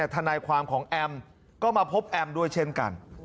ทนายความของแอมก็มาพบแอมด้วยเช่นกัน